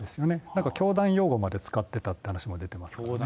なんか教団用語まで使ってたって話も出てますからね。